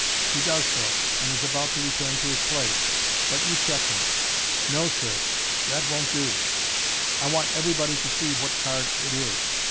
He does so, and is about to return to his place j but you check him. " No, sir, that won't do. I want everybody to see what card it is.